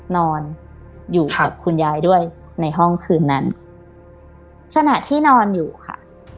นอนอยู่กับคุณยายด้วยในห้องคืนนั้นขณะที่นอนอยู่ค่ะ